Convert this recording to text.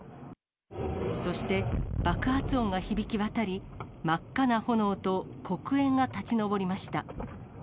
そして、爆発音が響き渡り、真っ赤な炎と黒煙が立ち上りました。